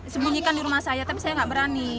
sembunyikan di rumah saya tapi saya nggak berani